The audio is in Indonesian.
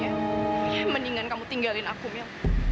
ya mendingan kamu tinggalin aku mil